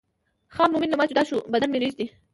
خان مومن له ما جدا شو بدن مې رېږدي.